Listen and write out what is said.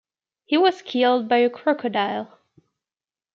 He was killed by a crocodile.